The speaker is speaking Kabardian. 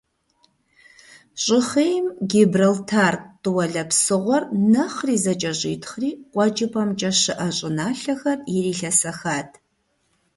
ЩӀыхъейм Гибралтар тӀуалэ псыгъуэр нэхъри зэкӀэщӀитхъри, КъуэкӀыпӀэмкӀэ щыӀэ щӀыналъэхэр ирилъэсэхат.